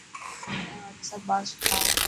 مين وٽان سڀ ٻار سٺا هي.